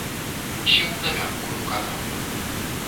Сеў на мяккую канапу.